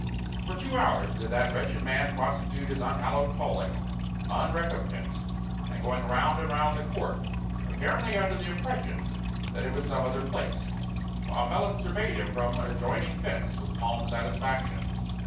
For two hours did that wretched man prosecute his unhallowed calling, unrecompensed, and going round and round the court, apparently under the impression that it was some other place, while Melons surveyed him from an adjoining fence with calm satisfaction.